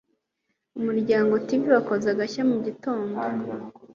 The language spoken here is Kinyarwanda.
UmuryangoTV wakoze agashya mugitondo